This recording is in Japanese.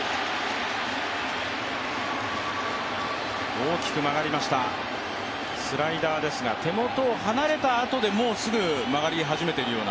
大きく曲がりました、スライダーですが、手元を離れたあとでもうすぐ曲がり始めているような。